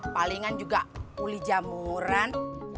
palingan juga uli jamuran